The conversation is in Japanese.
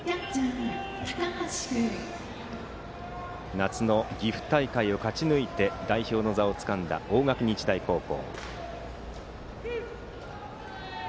夏の岐阜大会を勝ち抜いて代表の座をつかんだ大垣日大高校。